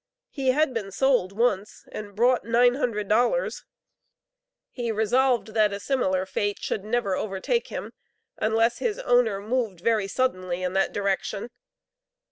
He had been sold once and brought nine hundred dollars; he resolved that a similar fate should never overtake him, unless his owner moved very suddenly in that direction.